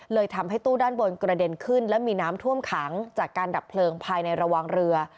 เลยทำให้ตู้ด้านบนกระเด็นขึ้นและมีน้ำท่วมขังจากการดับเพลิงภายในระวังเรือ